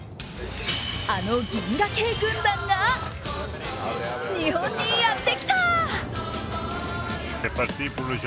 あの銀河系軍団が日本にやってきた。